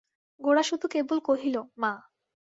গোরা শুধু কেবল কহিল, মা!